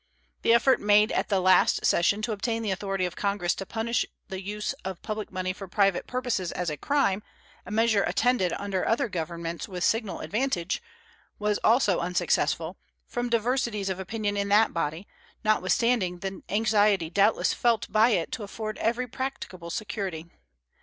The effort made at the last session to obtain the authority of Congress to punish the use of public money for private purposes as a crime a measure attended under other governments with signal advantage was also unsuccessful, from diversities of opinion in that body, notwithstanding the anxiety doubtless felt by it to afford every practicable security.